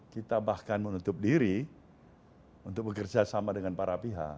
kita bahkan menutup diri untuk bekerjasama dengan para pihak